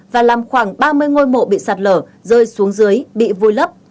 và làm khoảng ba mươi ngôi mộ bị sạt lở rơi xuống dưới bị vùi lấp